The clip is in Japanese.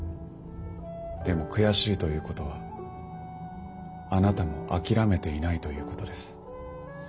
でも悔しいということはあなたも諦めていないということです。